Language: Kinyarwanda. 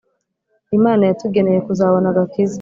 Imana yatugeneye kuzabona agakiza